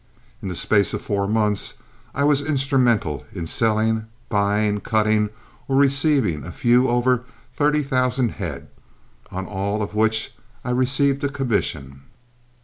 In the space of four months I was instrumental in selling, buying, cutting, or receiving a few over thirty thousand head, on all of which I received a commission.